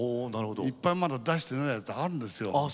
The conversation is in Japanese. いっぱいまだ出してないやつあるんですよ。